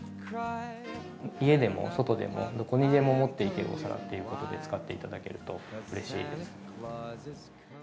家でも外でも、どこにでも持っていけるお皿っていうことで使っていただけるとうれしいです。